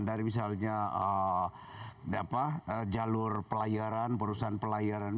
dari misalnya jalur pelayaran perusahaan pelayaran